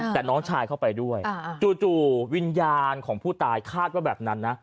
แต่น้องชายเข้าไปด้วยจู่วิญญาณของผู้ตายคาดว่าแบบนั้นนะ